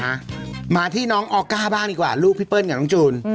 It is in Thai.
มามาที่น้องออก้าบ้างดีกว่าลูกพี่เปิ้ลกับน้องจูน